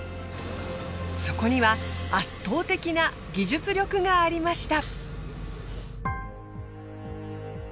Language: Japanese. そこには圧倒的な技術力がありました。